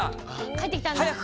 帰ってきたんだ。